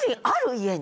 家に。